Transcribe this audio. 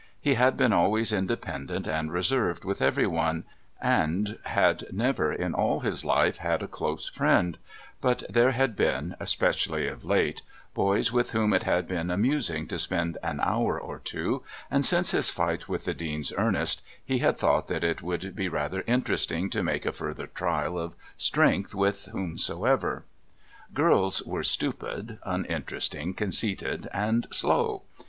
He had been always independent and reserved with everyone, and bud never, in all his life, had a close friend, but there had been, especially of late, boys with whom it had been amusing to spend an hour or two, and since his fight with the Dean's Ernest he had thought that it would be rather interesting to make a further trial of strength with whomsoever... Girls were stupid, uninteresting, conceited and slow.